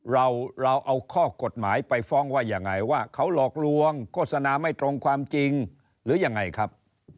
เราเราเอาข้อกฎหมายไปฟ้องว่ายังไงว่าเขาหลอกลวงโฆษณาไม่ตรงความจริงหรือยังไงครับ